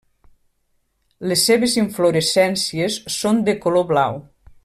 Les seves inflorescències són de color blau.